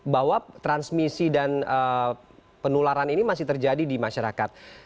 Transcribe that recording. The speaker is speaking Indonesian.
bahwa transmisi dan penularan ini masih terjadi di masyarakat